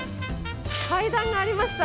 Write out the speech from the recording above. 階段がありました。